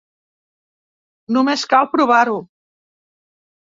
Només cal provar-ho.